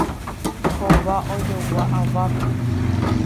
Hova ojogua avápe.